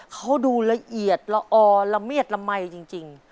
เขาดูละเอียดละออละเมียดละมัยจริง